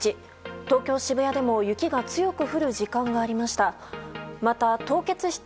東京・渋谷でも雪が強く降る時間がありました。